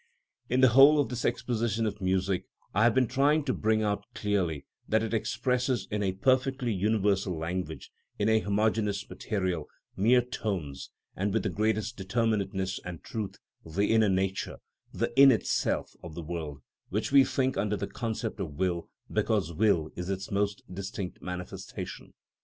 In the whole of this exposition of music I have been trying to bring out clearly that it expresses in a perfectly universal language, in a homogeneous material, mere tones, and with the greatest determinateness and truth, the inner nature, the in itself of the world, which we think under the concept of will, because will is its most distinct manifestation.